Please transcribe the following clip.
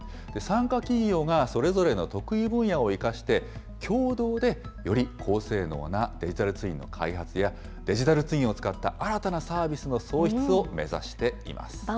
参加企業がそれぞれの得意分野を生かして、共同でより高性能なデジタルツインの開発や、デジタルツインを使った新たなサービスの創出を目指しています。